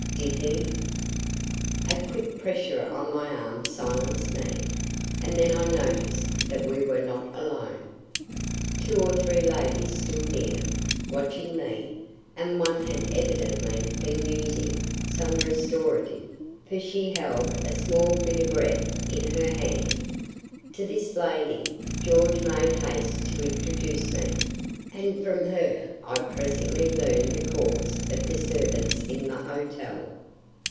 "Did he " A quick pressure on my arm silenced me, and then I noticed that we were not alone. Two or three ladies stood near, watching me, and one had evidently been using some restorative, for she held a small vinaigrette in her hand. To this lady, George made haste to introduce me, and from her I presently learned the cause of the disturbance in the hotel.